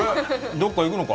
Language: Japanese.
どっか行くのか？